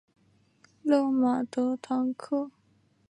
勒马德唐克。